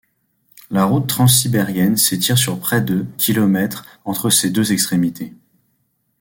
La route transsibérienne s'étire sur près de kilomètres entre ses deux extrémités.